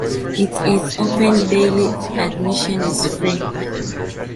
It is open daily; admission is free.